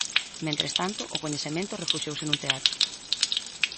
Mentres tanto, o coñecemento refuxiouse nun teatro.